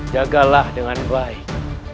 jagalah dengan baik